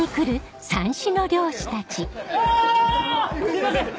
すみません！